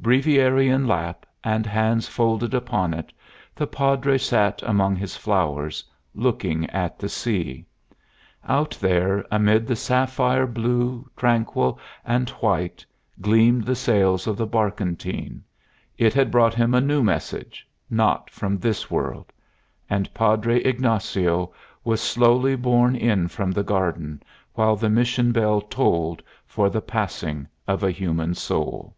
Breviary in lap, and hands folded upon it, the Padre sat among his flowers, looking at the sea. Out there amid the sapphire blue, tranquil and white, gleamed the sails of the barkentine. It had brought him a new message, not from this world; and Padre Ignacio was slowly borne in from the garden, while the mission bell tolled for the passing of a human soul.